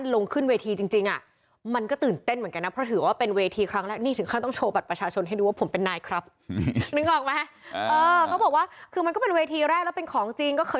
ลงไหมลง